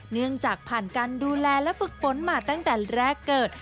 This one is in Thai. เนื่องจากผ่านการดูแลและฝึกฝนมาตั้งแต่แรกเกิด